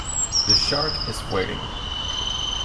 The shark is waiting.